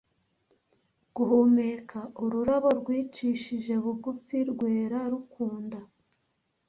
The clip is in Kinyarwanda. guhumeka ururabo rwicishije bugufi rwera rukunda